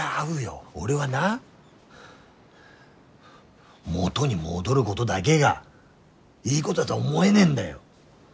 俺はな元に戻るごどだげがいいごどだどは思えねえんだよ。